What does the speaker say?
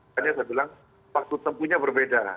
akhirnya saya bilang faktor tempuhnya berbeda